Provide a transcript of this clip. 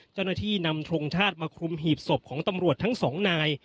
เจ้าหน้าที่นำทรงชาติมาคลุมหีบศพของตำรวจทั้งสองนาย